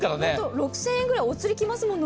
６０００円ぐらいお釣りきますもんね。